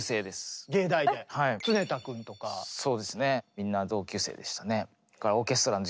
みんな同級生でしたね。